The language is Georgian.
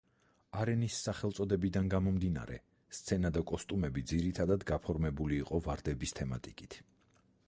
არენის სახელწოდებიდან გამომდინარე სცენა და კოსტუმები ძირითადად გაფორმებული იყო ვარდების თემატიკით.